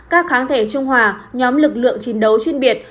các kháng thể trung hòa nhóm lực lượng chiến đấu chuyên biệt